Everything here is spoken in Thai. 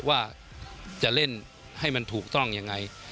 ว่าจะเล่นให้มันถูกต้องยังไง